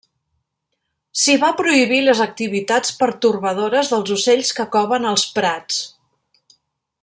S'hi va prohibir les activitats pertorbadores dels ocells que coven als prats.